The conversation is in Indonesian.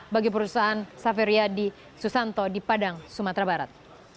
bagi perusahaan saferian di susanto di padang sumatera barat